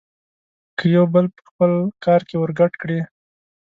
که يو بل په خپل کار کې ورګډ کړي.